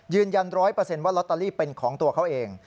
ยืนยันร้อยเปอร์เซ็นต์ว่าลอตเตอรี่เป็นของตัวเขาเอง